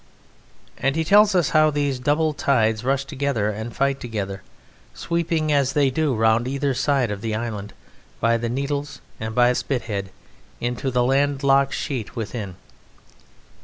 And he tells us how these double tides rush together and fight together, sweeping as they do round either side of the island by the Needles and by Spithead into the land locked sheet within.